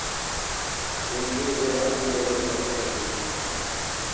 ڈېن٘گی ژر عام ژری وَیں رن٘گَیں ہُوئ تھی